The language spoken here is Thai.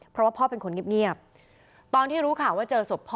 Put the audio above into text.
เพราะว่าพ่อเป็นคนเงียบตอนที่รู้ข่าวว่าเจอศพพ่อ